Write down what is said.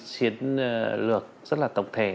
chiến lược rất là tổng thể